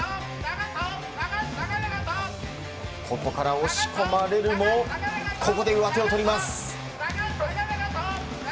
ここから押し込まれるも上手を取ります。